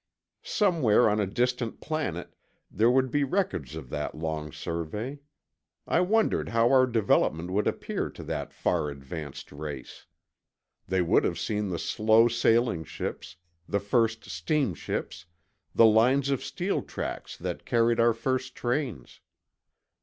Somewhere on a distant planet there would be records of that long survey. I wondered how our development would appear to that far advanced race. They would have seen the slow sailing ships, the first steamships, the lines of steel tracks that carried our first trains.